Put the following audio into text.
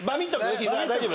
膝大丈夫？